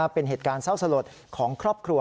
เป็นเหตุการณ์เศร้าสลดของครอบครัว